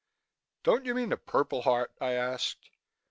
"Don't you mean the Purple Heart?" I asked.